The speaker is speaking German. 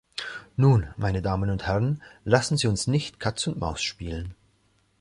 Nun, meine Damen und Herren, lassen Sie uns nicht Katz und Maus spielen.